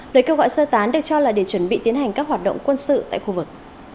lời kêu gọi sơ tán được cho là để chuẩn bị tiến hành các hoạt động quân sự tại khu vực